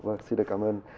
vâng xin được cảm ơn